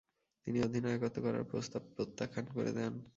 তিনি অধিনায়কত্ব করার প্রস্তাব প্রত্যাখ্যান করে দেন।